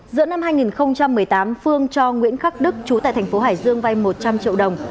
giữa năm hai nghìn một mươi tám phương cho nguyễn khắc đức chú tại thành phố hải dương vay một trăm linh triệu đồng